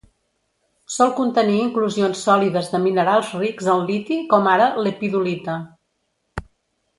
Sol contenir inclusions sòlides de minerals rics en liti com ara lepidolita.